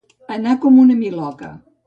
Anar com una miloca.